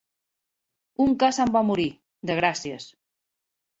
Un ca se'n va morir, de gràcies.